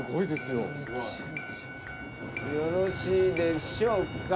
よろしいでしょうか？